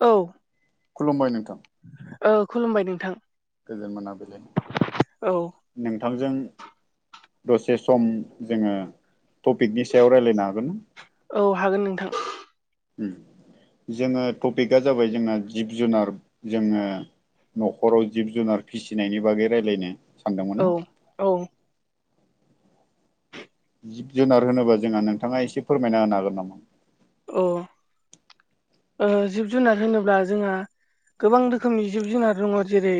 औ खुलुमबाय नोंथां औ खुलुमबाय नोंथां गोजोन मोनाबिलि औ नोंथांजों दसे सम जोङो टपिकनि सायाव रायलायनो हागोन औ हागोन नोंथां जोङो टपिकआ जाबाय जोंना जिब जुनार जोङो न'खराव जिब जुनार फिसिनायनि बागै रायलायनि औ औ जिब जुनार होनोबा जोंहा नोंथाङा एसे फोरमायना होनो हागोन नामा? अ जिब जुनार होनोब्ला जोंहा गोबां रोखोमनि जिब जुनार दङ जेरै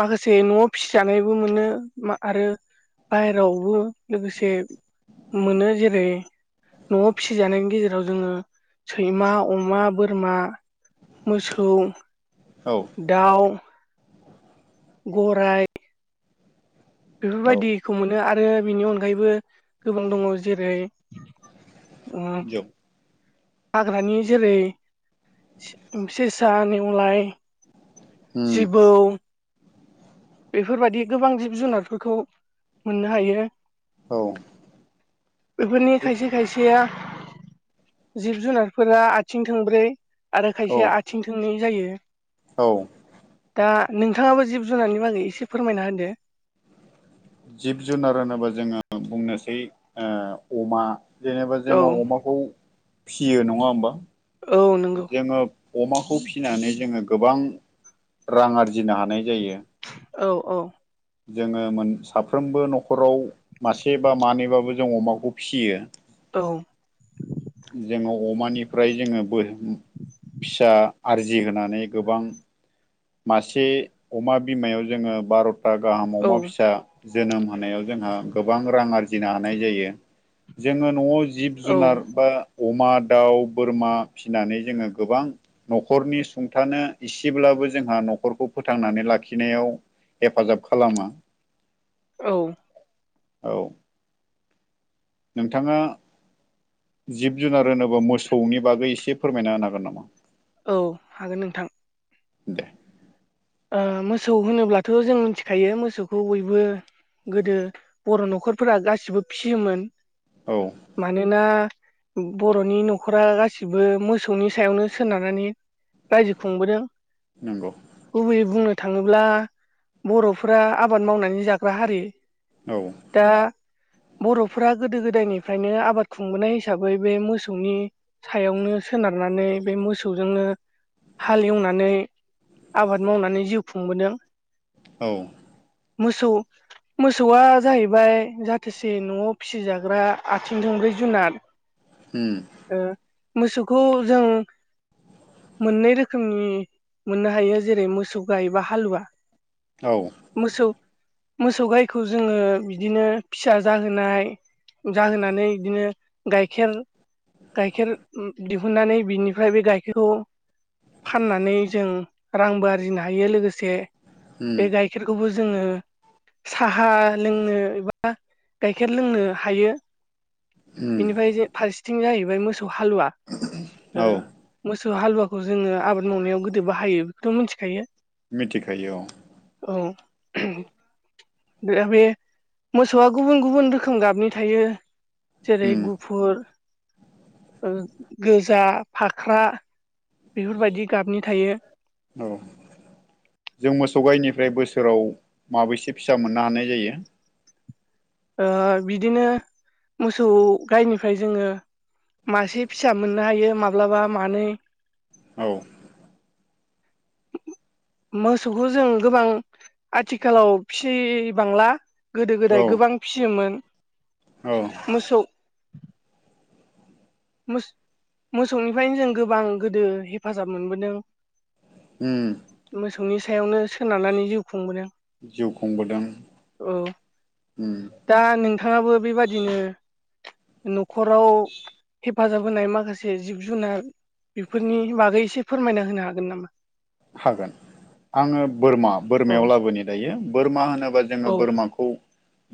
माखासे न'आव फिसिजानायबो मोनो आरो बायहेरावबो लोगोसे मोनो जेरै न'आव फिसिजानायनि गेजेराव जोङो सैमा अमा बोरमा मोसौ औ दाउ गराइ औ बेफोरबायदिखौ मोनो आरो बेनि अनगायैबो गोबां दङ जेरै उ जौ हाग्रानि जेरै सेसा नेवलाय उम जिबौ बेफोरबायदि गोबां जिब जुनारफोरखौ मोननो हायो। औ बेफोरनि खायसे खायसेया जिब जुनारफोरा आथिं थोंब्रै आरो औ खायसेया आथिं थोंनै जायो औ। दा नोंथाङाबो जिब जुनारनि बागै एसे फोरमायना होदो। जिब जुनार होनोबा जोङो बुंनोसै अमा। जेनेबा औ जोङो अमाखौ फिसियो नङा होमबा औ नंगौ जोङो? अमाखौ फिसिनानै जोङो गोबां रां आरजिनो हानाय जायो। औ औ। जोङो मोन साफ्रोमबो न'खराव मासे बा मानैबाबो जों अमाखौ फिसियो। औ। जोङो अमानिफ्राय जोङो बो। फिसा आरजि होनानै गोबां। मासे अमा बिमायाव जोङो बार'था गाहाम औ अमा फिसा जोनोम होनायाव जोंहा गोबां रां आरजिनो हानाय जायो जोङो न'आव। औ जिब-जुनार अमा दाउ बोरमा फिसिनानै जोङो गोबां न'खरनि सुंथानो इसेब्ला बो जोंहा न'खरखौ फोथांनानै लाखिनायाव हेफाजाब खालामो। औ। औ। नोंथाङा जिब जुनार होनोब्ला मोसौनि बागै एसे फोरमायना होनो हागोन नामा? औ हागोन नोंथां। दे। मोसौ होनोब्लाथ' जों मिथिखायो मोसौखौ बयबो। गोदो बर' न'खरफोरा गासिबो फिसियोमोन औ मानोना बर'नि न'खरा गासिबो मोसौनि सायावनो सोनारनानै। रायजो खुंबोदों। नंगौ। गुबैयै बुंनो थाङोब्ला बर'फोरा आबाद मावनानै जाग्रा हारि औ। दा बर'फोरा गोदो गोदायनिफ्रायनो आबाद खुंबोनाय हिसाबै बे मोसौनि सायावनो सोनार नानै बे मोसौजोंनो हाल एवनानै। आबाद मावनानै जिउ खुंबोदों। औ मोसौ। मोसौआ जाहैबाय जाथोसे न'आव फिसिजाग्रा आथिं थोंब्रै जुनाद ओम। मोसौखौ जों मोननै रोखोमनि मोननो हायो। जेरै मोसौ गाय बा हालुवा। औ मोसौ मोसौ गायखौ जोङो बिदिनो फिसा जाहोनाय। जाहोनानै बिदिनो गाइखेर गाइखेर। दिहुननानै बिनिफ्राय बे गाइखेरखौ फाननानै जों रांबो आरजिनो हायो लोगोसे उम बे गाइखेरखौबो जोङो सा हा लोंनो एबा गाइखेर लोंनो हायो। उम बेनिफ्राय फारसेथिं जाहैबाय मोसौ हालुवा औ मो सौ हालुवाखौ जोङो आबाद मावनायाव गोदो बा हायो बेखौथ' मिथिखायो। मिथिखायो औ औ। दा बे मोसौआ गुबुन गुबुन रोखोम गाबनि थायो। जेरै उम गुफुर गोजा फाख्रा बेफोरबायदि गाबनि थायो। औ जों मोसौ गाइनिफ्राय बोसोराव माबैसे फिसा मोननो हानाय जायो? ओ बिदिनो मोसौ गायनिफ्राय जोङो मासे फिसा मोननो हायो माब्लाबा मानै औ [inaudible] मोसौखौ जों गोबां आथिखालाव फिसिबांला गोदो औ गोदाय गोबां फियोमोन औ मोसौ मोस मोसौनिफ्रायनो जों गोबां गोदो हेफाजाब मोनबोदों उम थोंनि सायावनो सोनारनानै जिउ खुंबोदों जिउ खुंबोदों औ उम दा नोंथाङाबो बेबादिनो न'खराव हेफाजाब होनाय माखासे जिब जुनार बेफोरनि बागै एसे फोरमायना होनो हागोन नामा हागोन आङो बोरमा औ बोरमायाव लाबोनि दायो बोरमा होनो बा जोङो औ बोरमाखौ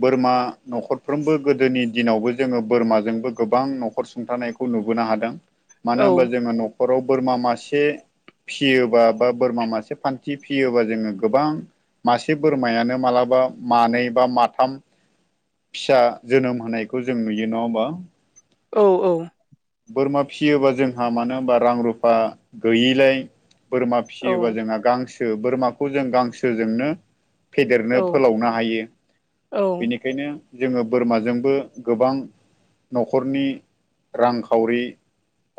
बोरमा न'खरफ्रोमबो गोदोनि दिनावबो जोङो बोरमाजोंबो गोबां न'खर सुंथानायखौ नुबो नो हादों मानो औ होनबा जोङो न'खराव बोरमा मासे फियोबा बा बोरमा मासे फान्थि फियोबा जोङो गोबां मासे बोरमायानो मालाबा मानै बा माथाम फिसा जोनोम होनायखौ जों नुयो नङा होमबा औ औ बोरमा फिसियोबा जोंहा मानो होनबा रां रुफा गैयिलाय बोरमा औ फिसियोबा जोंहा गांसो बोरमाखौ जों गांसोजोंनो फेदेरनो औ फोलावनो हायो बेनिखायनो जोङो बोरमाजोंबो गोबां न'खरनि रांखावरि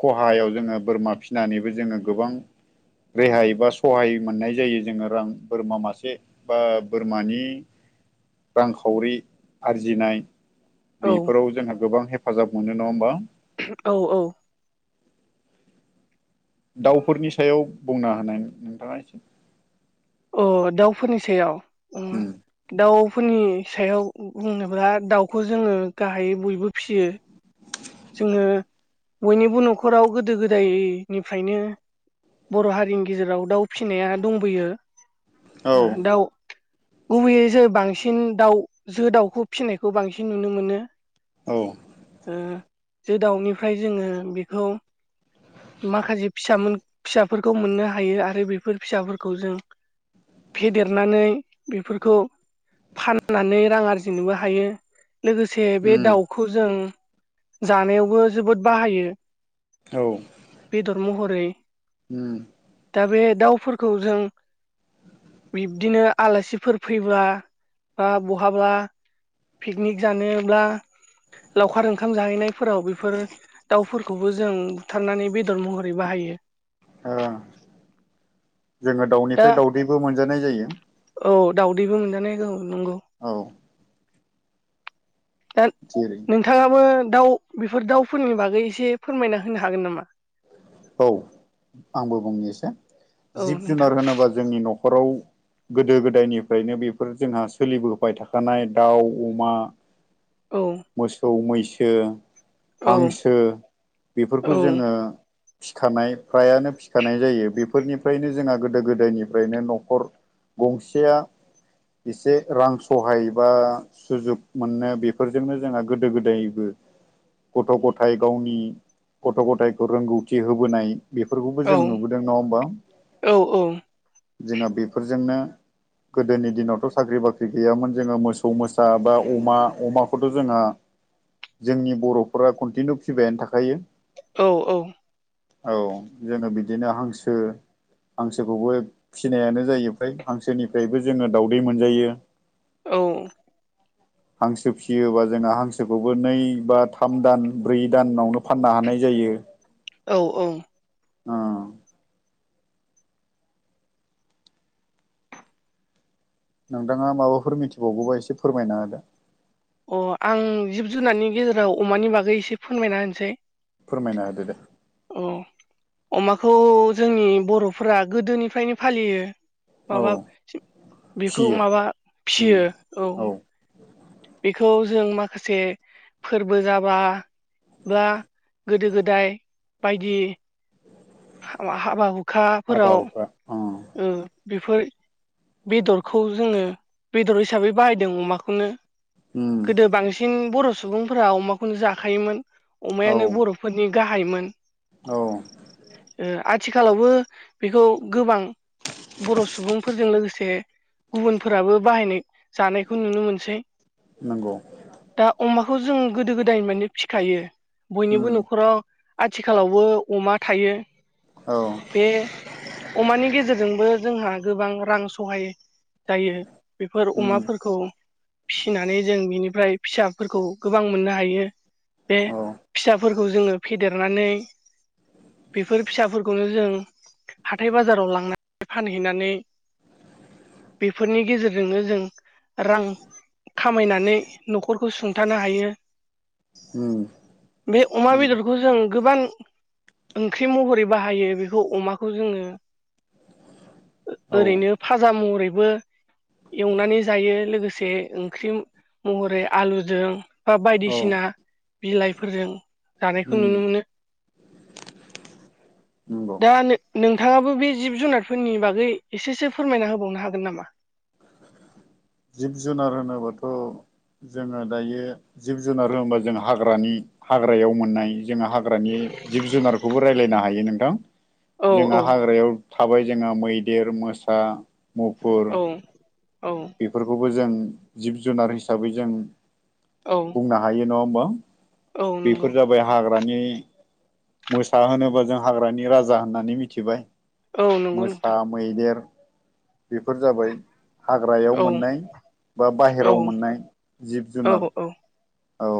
खहायाव जोङो बोरमा फिसिनानैबो जोङो गोबां रेहाय बा सहाय मोननाय जायो जोङो रां बोरमा मासे बा बोरमानि रांखावरि आरजिनाय औ बेफोराव जोंहा गोबां हेफाजाब मोनो नङा होमबा औ औ दाउफोरनि सायाव बुंना होनाय नोंथाङा एसे अ दाउफोरनि सायाव उम एसे दाउ फोरनि सायाव बुंनोब्ला दाउखौ जोङो गाहायै बयबो फिसियो जोङो बयनिबो न'खराव गोदो गोदायनिफ्रायनो बर' हारिनि गेजेराव दाउ फिसिनाया दंबोयो औ ओ दाउ गुबैयै जों बांसिन दाउ जो दाउखौ फिसिनायखौ बांसिन नुनो मोनो औ जो दाउनिफ्राय जोङो बेखौ माखासे फिसा मोन फिसाफोरखौ मोननो हायो आरो बेफोर फिसाफोरखौ जों फेदेरनानै बेफोरखौ फाननानै रां आरजिनोबो हायो लोगोसे बे उम दाउखौ जों जानायावबो जोबोद बाहायो औ बेदर महरै उम दा बे दाउफोरखौ जों बिब्दिनो आलासिफोर फैब्ला बा बहाबा पिकनिक जानोब्ला लावखार ओं खाम जाहैनायफोराव बेफोर दाउफोरखौबो जों बुथारनानै बेदर महरै बाहायो ओं जोङो दा दाउनिफ्राय दाउदैबो मोनजानाय जायो औ दाउदैबो मोनजानाय औ नंगौ औ ओन जेरै नोंथाङाबो दाउ बेफोर दाउफोरनि बागै एसे फोरमायना होनो हागोन नामा औ आंबो बुंनि एसे औ जिब नोंथां जुनार होनोबा जोंनि न' खराव गोदो गोदायनिफ्रायनो बेफोर जोंहा सोलिबोबाय थाखानाय दाउ अमा औ मोसौ मैसो औ हांसो औ बेफोरखौ जोङो फिखानाय फ्रायानो फिखानाय जायो बेफोरनिफ्रायनो जोंहा गोदो गोदायनिफ्रायनो न'खर गंसेया एसे रां सहाय बा सुजुग मोनो बेफोरजोंनो जोंहा गोदो गोदायबो गथ' गथाय गावनि गथ' गथायखौ रोंगौ थि होबोनाय बेफोरखौबो औ जों नुबोदों नङा होमबा औ जोङो बेफोरजोंनो गोदोनि दिनावथ' साख्रि बाख्रि गैयामोन जोङो मोसौ मोसा बा अमा अमाखौथ' जोंहा जोंनि बर'फोरा कन्टिनिउ फिबायानो थाखायो औ औ औ जोङो बिदिनो हांसो हांसोखौबो फिनायानो जायो फ्राय हांसोनिफ्रायबो जोङो दावउदै मोनजायो औ [unintelligible] हांसो फिसियोबा जोङो हांसोखौबो नै बा थाम दान ब्रै दानावनो फाननो हानाय जायो औ औ ओ नोंथाङा माबाफोर मिथिबावगौबा एसे फोरमायना होदो अ आं जिब जुनारनि गेजेराव अमानि बागै एसे फोरमायना होनोसै फोरमायना होदो दे अ अमाखौ जोंनि बर'फोरा गोदोनिफ्रायनो फालियो औ माबा बेखौ फियो माबा उम फियो औ बेखौ जों माखासे फोरबो जाबा बा गोदो गोदाय बायदि हाबा हाबा हाबा हुखाफोराव हुखा उम बेफोर बेदरखौ जोङो बेदर हिसाबै बाहायदों अमाखौनो उम गोदो बांसिन बर' सुबुंफोरा अमाखौनो जाखायोमोन औ अमायानो बर'फोरनि गाहायमोन औ ओ आथिखालावबो बेखौ गोबां बर' सुबुंफोरजों लोगोसे गुबुनफोराबो बाहायनाय जानायखौ नुनो मोनसै नंगौ खौ जों गोदो गोदाय माने फिखायो उम बयनिबो न'खराव आथिखालावबो अमा थायो औ बे अमानि गेजेरजोंबो जोंहा गोबां रां सहायो जायो बेफोर उम अमाफोरखौ फिसिनानै जों बिनिफ्राय फिसाफोरखौ गोबां मोननो हायो बे औ फिसाफोरखौ खौ जोङो फेदेरनानै बेफोर फिसाफोरखौनो जों हाथाय बाजाराव लांनानै फानहैनानै बेफोरनि गेजेरजोंनो जों रां खामायनानै न'खरखौ सुंथानो हायो उम बे अमा नंगौ बेदरखौ जों गोबां ओंख्रि महरै बाहायो बेखौ अमाखौ जोङो औ ओरैनो फाजा महरैबो एवनानै जायो लोगोसे ओंख्रि महरै आलुजों बा औ बायदिसिना बिलाइफोरजों जानायखौ उम नुनो मोनो नंगौ दा नो नोंथाङाबो बे जिब जुनारफोरनि बागै एसेसो फोरमायना होबावनो हागोन नामा जिब जुनार होनोबाथ' जोङो दायो जिब जुनार होनोबा जों हाग्रानि हाग्रायाव मोननाय जोङो हाग्रानि जिब जुनारखौबो रायलायनो हायो नोंथां औ औ जोंना हाग्रायाव थाबाय जोङा मैदेर, मोसा, मुफुर औ औ बेफोरखौबो जों जिब-जुनार हिसाबै जों औ बुंनो हायो नङा होनबा औ नंगौ बेफोर जाबाय हाग्रा हाग्रानि मोसा होनोबा जों हाग्रानि राजा होननानै मिथिबाय औ नंगौ मोसा नोंथां मैदेर बेफोर जाबाय हाग्रायाव औ मोननाय बा औ बाहेराव मोननाय औ जिब-जुनार औ औ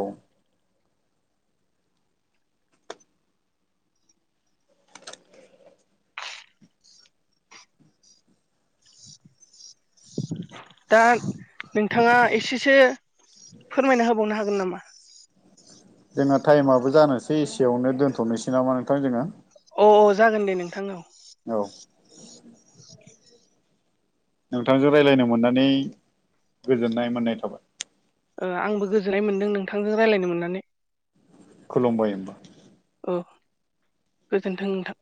[inaudible] दा नोंथाङा एसेसो फोरमायना होबावनो हागोन नामा? जोङा टाइमाबो जानोसै इसेयावनो दोनथ'नोसै नामा नोंथां जोङो अ औ जागोन दे नोंथां‌ ओं औ नोंथांजों रायलायनो मोननानै गोजोननाय मोननाय थाबाय ओ आंबो गोजोननाय मोन्दों नोंथांजों रायलायनो मोननानै खुलुमबाय होमबा गोजोनथों नोंथां